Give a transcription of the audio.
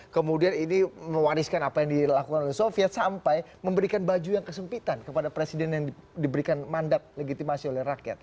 kemudian ini mewariskan apa yang dilakukan oleh soviet sampai memberikan baju yang kesempitan kepada presiden yang diberikan mandat legitimasi oleh rakyat